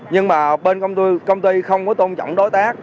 nhưng mà bên công ty không có tôn trọng đối tác